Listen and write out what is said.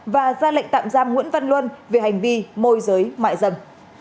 và ra lệnh tạm giam nguyễn văn luân về hành vi môi giới mại dâm